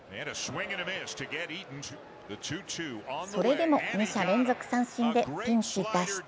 それでも二者連続三振でピンチ脱出。